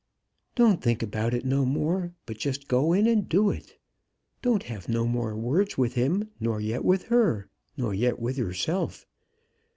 "Don't think about it no more; but just go in and do it. Don't have no more words with him nor yet with her, nor yet with yourself.